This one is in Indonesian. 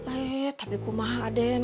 eh tapi kumaha aden